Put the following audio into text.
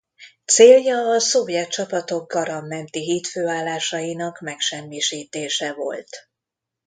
Célja a szovjet csapatok Garam menti hídfőállásainak megsemmisítése volt.